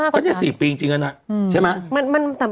ก็งั้น๔ปีจริงานะ